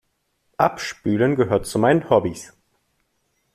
Abspülen gehört zu meinen Hobbies.